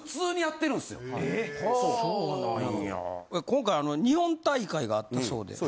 今回日本大会があったそうです。